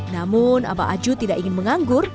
namun abah aju tidak ingin menganggur